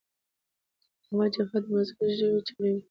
د مقاومت جبهه د مسعود ژوی چلوي.